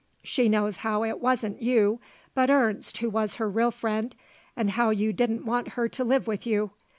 She knows how it wasn't you but Ernst who was her real friend, and how you didn't want her to live with you.